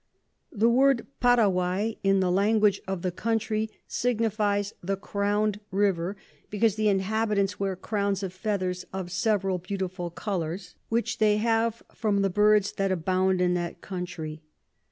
The word Paraguay in the Language of the Country signifies the Crown'd River, because the Inhabitants wear Crowns of Feathers of several beautiful Colours, which they have from the Birds that abound in that Country.